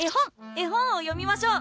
絵本を読みましょう！